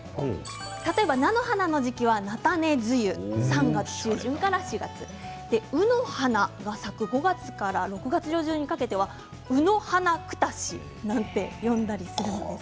例えば、菜の花の時期は菜種梅雨うのの花が咲く５月から６月上旬にかけてはうの花くたしなんて呼んだりするんです。